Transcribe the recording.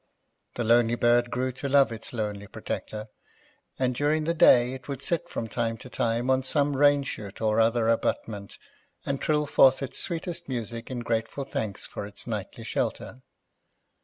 The lonely bird grew to love its lonely protector, and during the day it would sit from time to time on some rainshoot or other abutment and trill forth its sweetest music in grateful thanks for its nightly shelter.